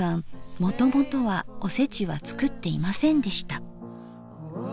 もともとはおせちは作っていませんでした。